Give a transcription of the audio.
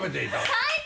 最高！